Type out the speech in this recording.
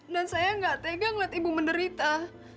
dan saya gak tegang liat ibu menderita